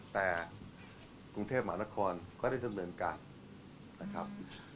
แต่กรุงเทพหมานครก็ได้ดำเนินการนะครับ